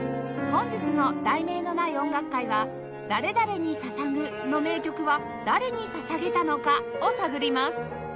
本日の『題名のない音楽会』は「誰々に捧ぐ」の名曲は誰に捧げたのか？を探ります